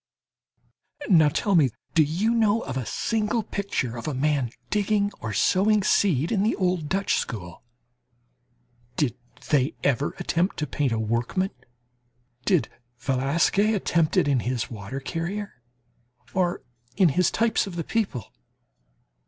Now tell me, do you know of a single picture of a man digging or sowing seed in the old Dutch School? Did they ever attempt to paint a workman? Did Velasquez attempt it in his "Water Carrier" or in his types of the people?